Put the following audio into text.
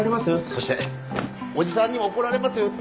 そしておじさんにも怒られますよ。